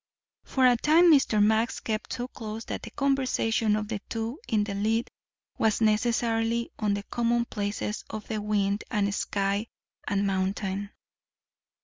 For a time Mr. Max kept so close that the conversation of the two in the lead was necessarily of the commonplaces of the wind and sky and mountain.